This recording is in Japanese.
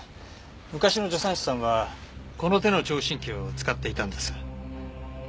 昔の助産師さんはこの手の聴診器を使っていたんです。